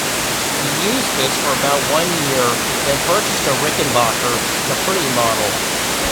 He used this for about one year then purchased a Rickenbacker "Capri" model.